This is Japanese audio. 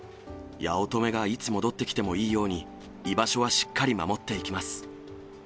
八乙女がいつ戻ってきてもいいように、居場所はしっかり守っていきます。